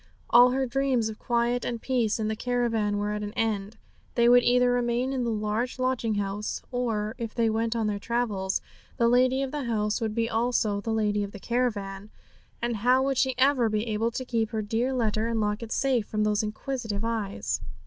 All her dreams of quiet and peace in the caravan were at an end. They would either remain in the large lodging house, or, if they went on their travels, the lady of the house would be also the lady of the caravan. And how would she ever be able to keep her dear letter and locket safe from those inquisitive eyes?